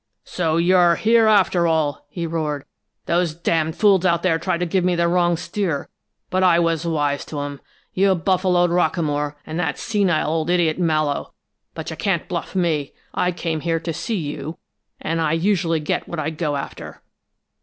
"So you're here, after all!" he roared. "Those d d fools out there tried to give me the wrong steer, but I was wise to 'em. You buffaloed Rockamore, and that senile old idiot, Mallowe, but you can't bluff me! I came here to see you, and I usually get what I go after!"